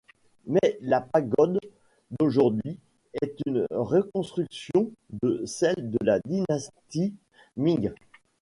Mais la pagode d'aujourd’hui est une reconstruction de celle de la dynastie Ming.